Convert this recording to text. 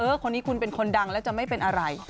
คนนี้คุณเป็นคนดังแล้วจะไม่เป็นอะไร